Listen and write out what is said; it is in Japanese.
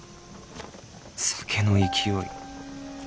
酒の勢い